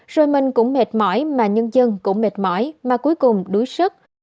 rồi mình cũng mệt mỏi mà nhân dân cũng mệt mỏi mà cuối cùng đuối sức